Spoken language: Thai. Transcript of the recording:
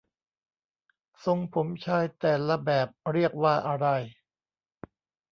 ทรงผมชายแต่ละแบบเรียกว่าอะไร